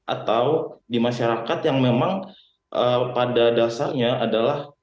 atau di masyarakat yang memang pada dasarnya adalah